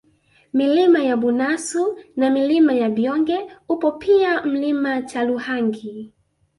Milima ya Bunasu na Milima ya Byonge upo pia Mlima Chaluhangi